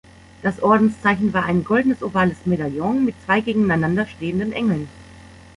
Das Ordenszeichen war ein goldenes ovales Medaillon, mit zwei gegeneinander stehenden Engeln.